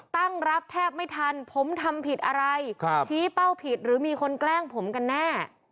ตั้งรับแทบไม่ทันผมทำผิดอะไรชี้เป้าผิดหรือมีคนแกล้งผมกันแน่